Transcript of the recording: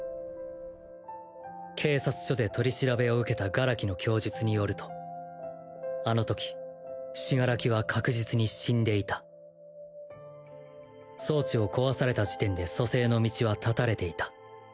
警察署で取り調べを受けた殻木の供述によるとあのとき死柄木は確実に死んでいた装置を壊された時点で蘇生の道は絶たれていた。